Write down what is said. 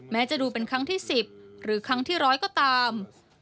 แม้จะดูเป็นครั้งที่สิบหรือครั้งที่ร้อยก็ตาม